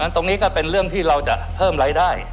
ตรงนี้ก็เป็นเรื่องที่เราจะเพิ่มรายได้